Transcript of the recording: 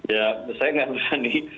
ya saya nggak berani